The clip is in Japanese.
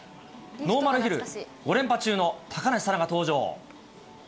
ノーマルヒル５連覇中の高梨沙羅が登場。